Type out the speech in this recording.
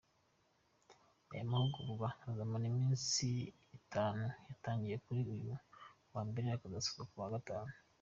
Aya mahugurwa azamara iminsi itanu yatangiye kuri uyu wa mbere akazasozwa ku wa gatanu.